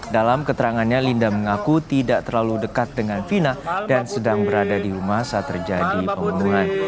dalam keterangannya linda mengaku tidak terlalu dekat dengan vina dan sedang berada di rumah saat terjadi pembunuhan